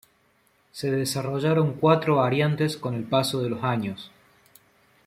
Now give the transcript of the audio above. Se desarrollaron cuatro variantes con el paso de los años.